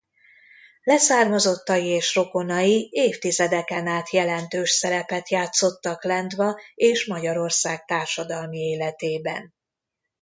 Leszármazottai és rokonai évtizedeken át jelentős szerepet játszottak Lendva és Magyarország társadalmi életében.